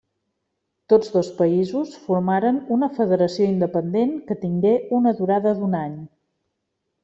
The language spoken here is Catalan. Tots dos països formaren una federació independent que tingué una durada d'un any.